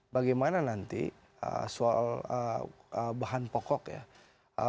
bagaimana nanti soal bahan pokok ya